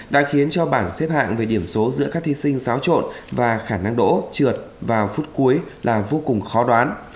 đã khiến cho bảng xếp hạng về điểm số giữa các thí sinh xáo trộn và khả năng đỗ trượt vào phút cuối là vô cùng khó đoán